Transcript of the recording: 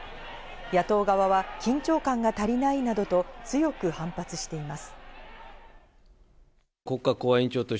野党側は緊張感が足りないなどと、強く反発しています。